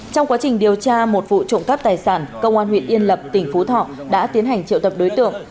trong quá trình điều tra một vụ trộm cắp tài sản công an huyện yên lập tỉnh phú thọ đã tiến hành triệu tập đối tượng